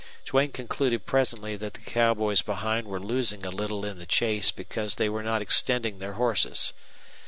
Duane concluded presently that the cowboys behind were losing a little in the chase because they were not extending their horses.